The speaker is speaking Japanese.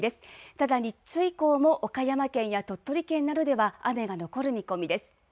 ただ日中以降も岡山県や鳥取県などでは雨が残る見込みです。